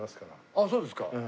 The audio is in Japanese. あっそうですか。